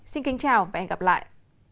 xin kính chào và hẹn gặp lại